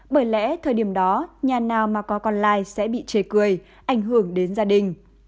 bởi lẽ thời điểm đó nhà nào mà có còn lại sẽ bị chê cười ảnh hưởng đến gia đình